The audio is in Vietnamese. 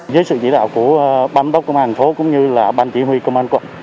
với sự chỉ đạo của ban tốc công an phố cũng như là ban chỉ huy công an quận